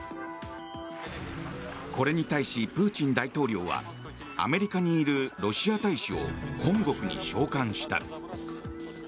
これに対し、プーチン大統領はアメリカにいるロシア大使を本国に召還した。